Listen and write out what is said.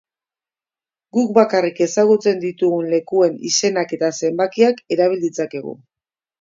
Guk bakarrik ezagutzen ditugun lekuen izenak eta zenbakiak erabil ditzakegu.